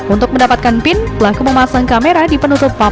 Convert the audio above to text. untuk mendapatkan pin pelaku memasang kamera di penutup papan